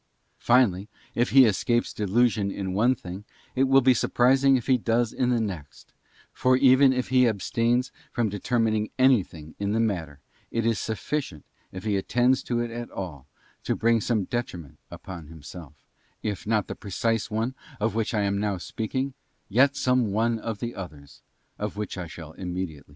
* Finally, if he escapes delusion in one thing, it will be sur prising if he does in the next; for even if he abstains from determining anything in the matter, it is sufficient, if he attends to it at all, to bring some detriment upon himself, if not the precise one of which I am now speaking, yet some one of the others of which I shall immediately speak.